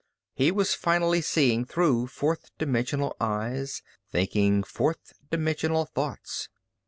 He was finally seeing through fourth dimensional eyes, thinking fourth dimensional thoughts.